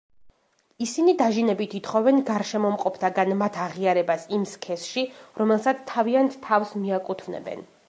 ისინი დაჟინებით ითხოვენ გარშემო მყოფთაგან მათ აღიარებას იმ სქესში, რომელსაც თავიანთ თავს მიაკუთვნებენ.